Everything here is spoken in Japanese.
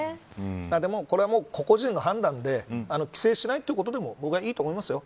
これは個人の判断で規制しないということでも僕はいいと思いますよ。